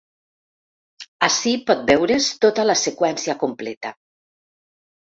Ací pot veure’s tota la seqüència completa.